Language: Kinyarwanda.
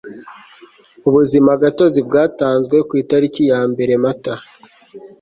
ubuzima gatozi bwatanzwe ku itariki ya mberemata